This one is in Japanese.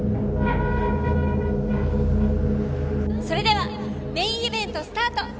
それではメーンイベントスタート！